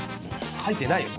書いてないよ